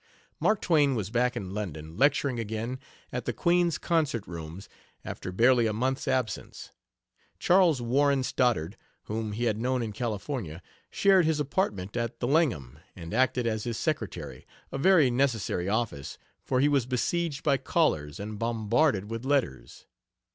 Mark Twain was back in London, lecturing again at the Queen's Concert Rooms, after barely a month's absence. Charles Warren Stoddard, whom he had known in California, shared his apartment at the Langham, and acted as his secretary a very necessary office, for he was besieged by callers and bombarded with letters.